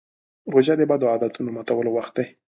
روژه د بدو عادتونو ماتولو وخت دی.